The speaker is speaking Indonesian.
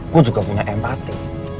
gue juga punya empati